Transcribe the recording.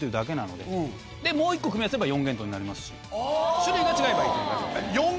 種類が違えばいいというだけ。